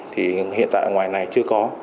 thì hiện tại ở ngoài này chưa có